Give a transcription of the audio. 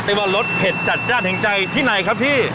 แล้วบ่อรสเห็ดจัดแห่งใจที่ไหนครับพี่